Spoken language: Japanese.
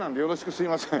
すいません。